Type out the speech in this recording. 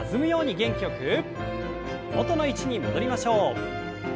元の位置に戻りましょう。